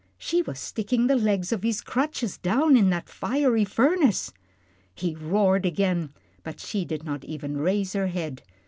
She was sticking the legs of his crutches down in that fiery furnace. He roared again, but she did not even raise her head.